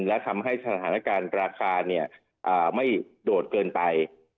และทำให้สถานการณ์ราคาไม่โดดเกินไป